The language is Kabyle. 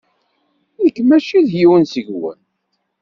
Nekk maci d yiwen seg-wen.